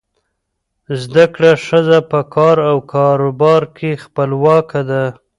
زده کړه ښځه په کار او کاروبار کې خپلواکه ده.